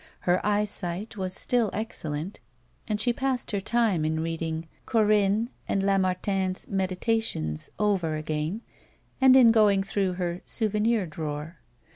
Her eyesight was still ex cellent, and she passed her time in reading Corinne and Lamartine's Meditations over again, and in going through her " Souvenir drawer."